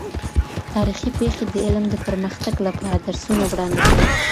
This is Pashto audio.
تاریخي پېښې د علم د پرمختګ لپاره درسونه وړاندې کوي.